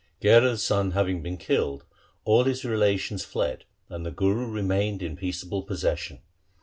Gherar's son having been killed, all his relations fled, and the Guru remained in peaceable possession.